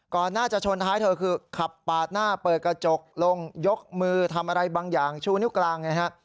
ก่อนหน้าจะชนท้ายเธอคือขับปาดหน้าเปิดกระจกลงยกมือทำอะไรบางอย่างชูนิ้วกลางไงฮะ